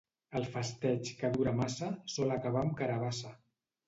El festeig que dura massa sol acabar amb carabassa.